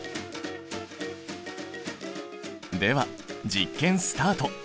では実験スタート。